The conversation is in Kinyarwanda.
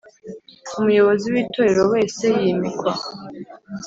Umuyobozi w itorero wese yimikwa